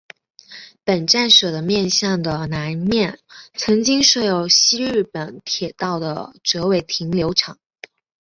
本站舍的面向的南面曾经设有西日本铁道的折尾停留场。